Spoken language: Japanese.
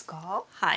はい。